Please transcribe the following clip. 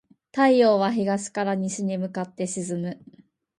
太陽は東から西に向かって沈む。